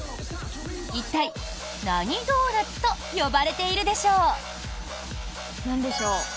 一体、何ドーナツと呼ばれているでしょう？